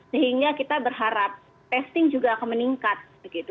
sehingga kita berharap testing juga akan meningkat